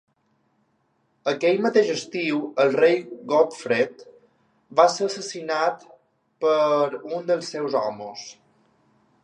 Aquell mateix estiu, el rei Godfred va ser assassinat per un dels seus homes.